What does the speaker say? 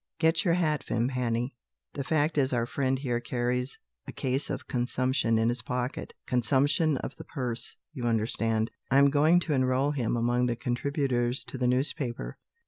"Get your hat, Vimpany. The fact is our friend here carries a case of consumption in his pocket; consumption of the purse, you understand. I am going to enrol him among the contributors to the newspaper.